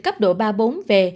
cấp độ ba bốn về